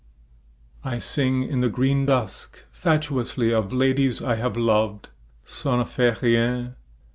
I sing in the green dusk Fatuously Of ladies I have loved Ça ne fait rien!